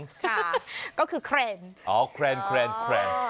ค่ะก็คือแครนอ๋อแครน